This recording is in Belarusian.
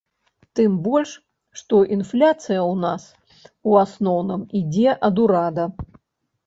Тым больш, што інфляцыя ў нас, у асноўным, ідзе ад урада.